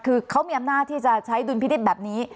คือเขามีอำนาจที่จะใช้ดุลพินิษฐ์แบบนี้